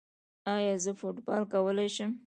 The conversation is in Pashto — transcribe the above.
ایا زه فوټبال کولی شم؟